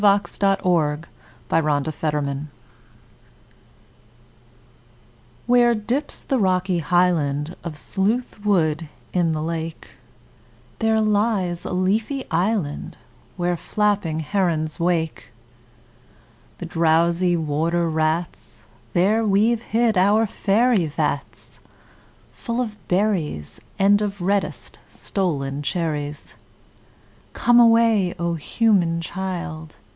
U V . W X . Y Z The Stolen Child WHERE dips the rocky highland Of Sleuth Wood in the lake, There lies a leafy island Where flapping herons wake The drowsy water rats; There we've hid our faery vats, Full of berrys And of reddest stolen cherries. Come away, O human child!